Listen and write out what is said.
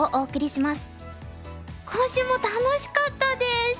今週も楽しかったです！